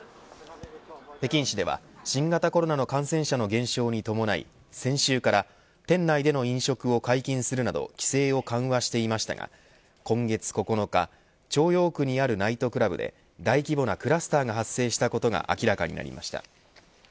北京市では新型コロナの感染者の減少に伴い先週から、店内での飲食を解禁するなど規制を緩和していましたが今月９日朝陽区にあるナイトクラブで大規模なクラスターが発生したことが明らかになりました。